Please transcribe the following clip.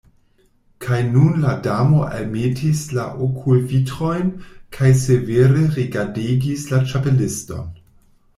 Kaj nun la Damo almetis la okulvitrojn kaj severe rigardegis la Ĉapeliston.